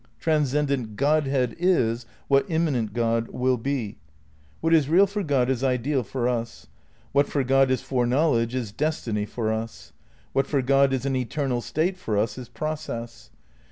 Transcendent Godhead is what immanent God wUl be. What is real for God is ideal for us. What for God is foreknowledge is destiny for us. What for God is an eternal state for us is process.